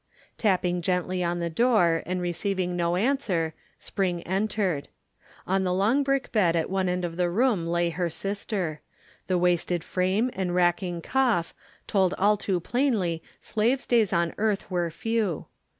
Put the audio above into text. Tapping gently on the door and receiving no answer, Spring entered. On the long brick bed at one end of the room lay her sister. The wasted frame and racking cough told all too plainly Slave's days on earth were few.